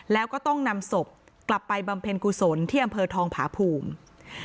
แล้วก็ต้องนำศพกลับไปบำเพ็ญกุศลที่อำเภอทองผาภูมิ